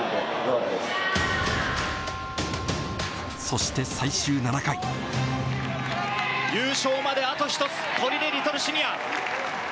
そして最終７回優勝まであと１つ取手リトルシニア。